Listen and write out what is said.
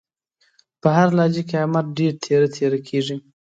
په هره لانجه کې، احمد ډېر تېره تېره کېږي.